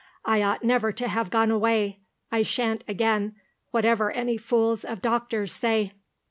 I ought never to have gone away. I shan't again, whatever any fools of doctors say."